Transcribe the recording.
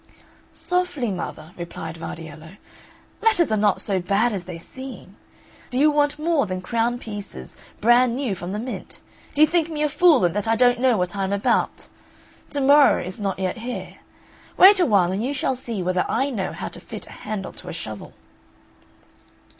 "Softly, mother," replied Vardiello, "matters are not so bad as they seem; do you want more than crown pieces brand new from the mint? Do you think me a fool, and that I don't know what I am about? To morrow is not yet here. Wait awhile, and you shall see whether I know how to fit a handle to a shovel."